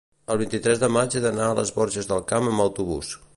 el vint-i-tres de maig he d'anar a les Borges del Camp amb autobús.